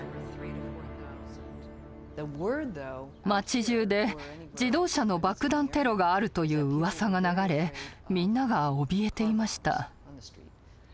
街じゅうで自動車の爆弾テロがあるといううわさが流れみんながおびえていました。